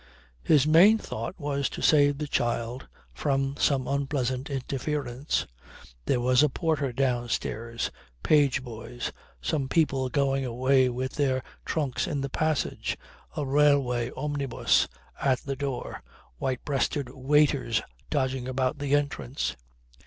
His main thought was to save the child from some unpleasant interference. There was a porter downstairs, page boys; some people going away with their trunks in the passage; a railway omnibus at the door, white breasted waiters dodging about the entrance.